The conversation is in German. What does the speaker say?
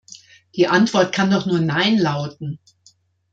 Die Antwort kann doch nur "Nein" lauten!